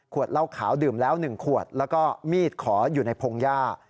เหล้าขาวดื่มแล้ว๑ขวดแล้วก็มีดขออยู่ในพงหญ้า